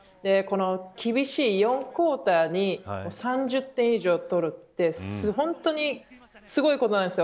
厳しい４クオーターに３０点以上取るって本当にすごいことなんです。